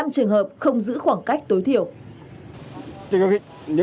một trăm một mươi năm trường hợp không giữ khoảng cách tối thiểu